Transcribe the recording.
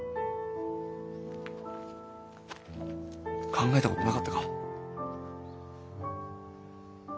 考えたことなかったか？